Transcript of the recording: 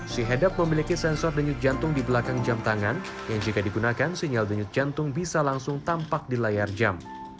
si hedap memiliki sensor denyut jantung di belakang jam tangan yang jika digunakan sinyal denyut jantung bisa langsung tampak di layar jam